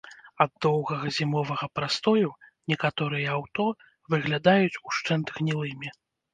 Ад доўгага зімовага прастою некаторыя аўто выглядаюць ушчэнт гнілымі.